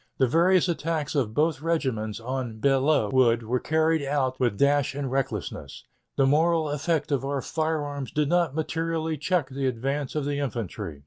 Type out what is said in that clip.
The various attacks of both regiments on Belleau Wood were carried out with dash and recklessness. The moral effect of our firearms did not materially check the advance of the infantry.